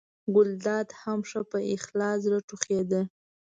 ګلداد هم ښه په خلاص زړه ټوخېده.